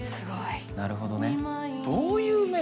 なるほどね。